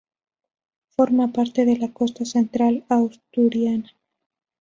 Forma parte de la Costa Central asturiana.